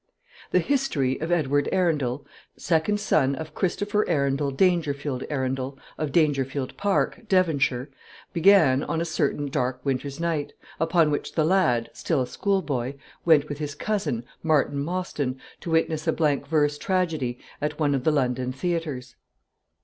The history of Edward Arundel, second son of Christopher Arundel Dangerfield Arundel, of Dangerfield Park, Devonshire, began on a certain dark winter's night upon which the lad, still a schoolboy, went with his cousin, Martin Mostyn, to witness a blank verse tragedy at one of the London theatres.